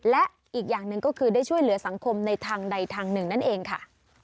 และอีกอย่างหนึ่งก็คือได้ช่วยเหลือสังคมในทางใดทางหนึ่งนั่นเองค่ะ